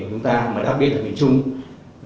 để chúng ta có điều tiết hồ thủy điện của chúng ta